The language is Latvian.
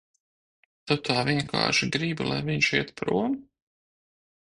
Tu tā vienkārši gribi, lai viņš iet prom?